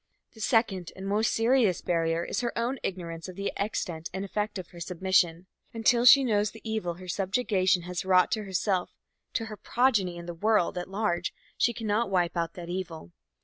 The second and more serious barrier is her own ignorance of the extent and effect of her submission. Until she knows the evil her subjection has wrought to herself, to her progeny and to the world at large, she cannot wipe out that evil.